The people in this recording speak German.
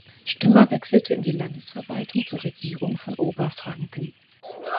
Stümmer wechselte in die Landesverwaltung zur Regierung von Oberfranken.